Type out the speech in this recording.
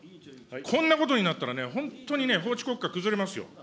こんなことになったらね、本当にね、法治国家崩れますよ。